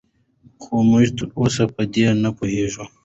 خو موږ تراوسه په دې نه پوهېدو